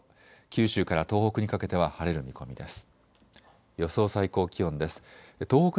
九州から東北にかけては晴れる見込みです。